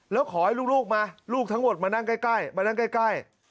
แล้วขอให้ลูกมาลูกทั้งหมดมานั่งใกล้มานั่งใกล้